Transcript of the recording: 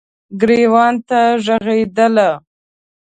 ګریوان ته ږغیدله